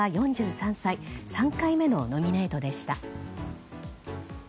３回目のノミネートでした。